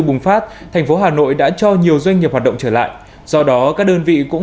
bùng phát thành phố hà nội đã cho nhiều doanh nghiệp hoạt động trở lại do đó các đơn vị cũng